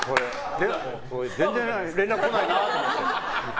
全然、連絡来ないなと思って。